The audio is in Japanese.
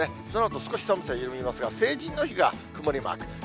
そのあと少し寒さ弱りますが、成人の日が曇りマーク。